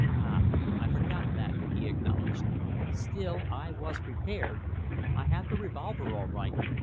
"Ah! I forgot that," he acknowledged. "Still, I was prepared, I had the revolver all right.